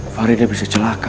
faridah bisa celaka